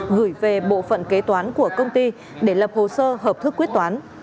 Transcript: gửi về bộ phận kế toán của công ty để lập hồ sơ hợp thức quyết toán